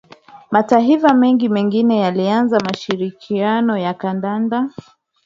Mataifa mengine mengi yalianzisha Mashirikisho ya Kandanda